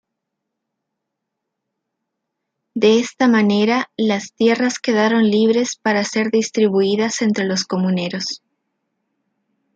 De esta manera, las tierras quedaron libres para ser distribuidas entre los comuneros.